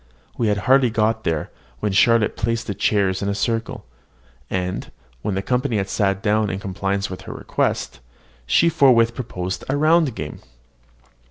We had hardly got there, when Charlotte placed the chairs in a circle; and, when the company had sat down in compliance with her request, she forthwith proposed a round game.